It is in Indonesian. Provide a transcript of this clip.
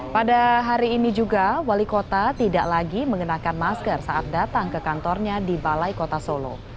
pada hari ini juga wali kota tidak lagi mengenakan masker saat datang ke kantornya di balai kota solo